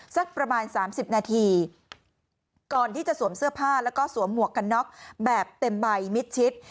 สักประมาณสามสิบนาทีก่อนที่จะสวมเสื้อผ้าแล้วก็สวมหมวกกันน็อกแบบเต็มใบมิดชิด